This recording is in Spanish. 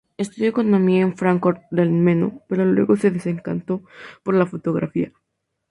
Estudió Economía en Fráncfort del Meno, pero luego se decantó por la fotografía.